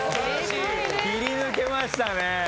切り抜けましたね。